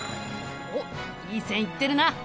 おっいい線いってるな！